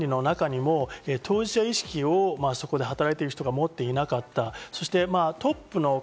危機管理の中にも当事者意識をそこで働いている人が持っていなかった。